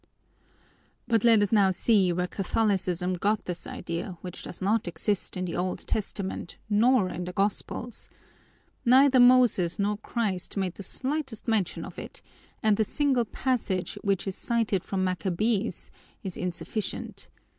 "But let us now see where Catholicism got this idea, which does not exist in the Old Testament nor in the Gospels. Neither Moses nor Christ made the slightest mention of it, and the single passage which is cited from Maccabees is insufficient.